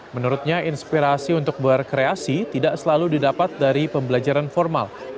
menurutnya inspirasi untuk berkreasi tidak selalu didapat dari pembelajaran formal